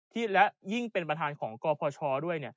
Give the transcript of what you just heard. และยิ่งเป็นประธานของกพชด้วย